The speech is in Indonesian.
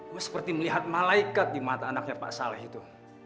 gue seperti melihat malaikat di mata anaknya pak saleh itu